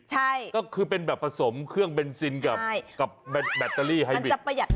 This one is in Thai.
ใช่ก็คือเป็นแบบผสมเครื่องเบนซินกับแบตเตอรี่ไฮบิด